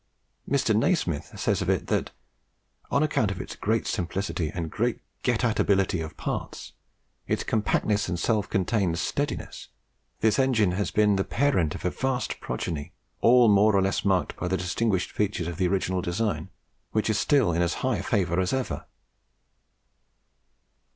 Mr. Nasmyth says of it, that "on account of its great simplicity and GET AT ABILITY of parts, its compactness and self contained steadiness, this engine has been the parent of a vast progeny, all more or less marked by the distinguishing features of the original design, which is still in as high favour as ever."